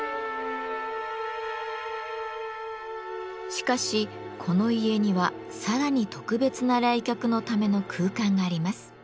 しかしこの家にはさらに特別な来客のための空間があります。